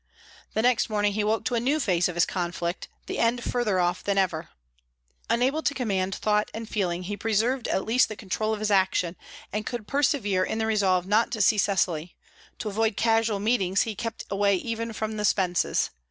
The next morning he woke to a new phase of his conflict, the end further off than ever. Unable to command thought and feeling, he preserved at least the control of his action, and could persevere in the resolve not to see Cecily; to avoid casual meetings he kept away even from the Spences.